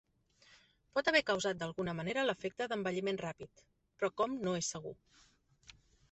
Pot haver causat d'alguna manera l'efecte d'envelliment ràpid, però com no és segur.